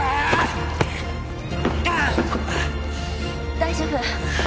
大丈夫？